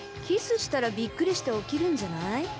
キスしたらびっくりして起きるんじゃない？